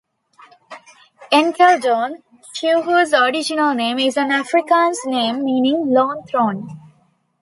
Enkeldoorn, Chivhu's original name, is an Afrikaans name meaning "lone thorn".